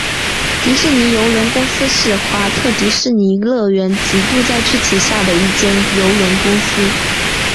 迪士尼邮轮公司是华特迪士尼乐园及度假区旗下的一间邮轮公司。